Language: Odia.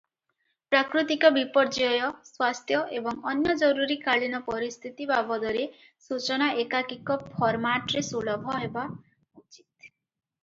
ପ୍ରାକୃତିକ ବିପର୍ଯ୍ୟୟ, ସ୍ୱାସ୍ଥ୍ୟ ଏବଂ ଅନ୍ୟ ଜରୁରୀକାଳୀନ ପରିସ୍ଥିତି ବାବଦରେ ସୂଚନା ଏକାଧିକ ଫର୍ମାଟରେ ସୁଲଭ ହେବା ଉଚିତ ।